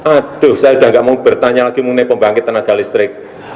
aduh saya udah gak mau bertanya lagi mengenai pembangkit tenaga listrik